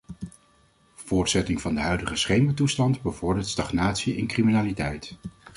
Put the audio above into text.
Voortzetting van de huidige schemertoestand bevordert stagnatie en criminaliteit.